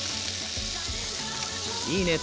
いいね。